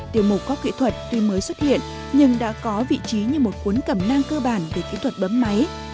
tiểu mục có kỹ thuật tuy mới xuất hiện nhưng đã có vị trí như một cuốn cẩm nang cơ bản về kỹ thuật bấm máy